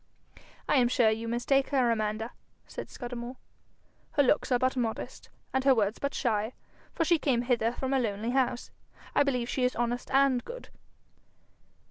'I am sure you mistake her, Amanda,' said Scudamore. 'Her looks are but modest, and her words but shy, for she came hither from a lonely house. I believe she is honest and good.'